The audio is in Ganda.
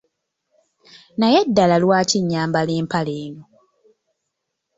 Naye ddala lwaki nyambala empale eno?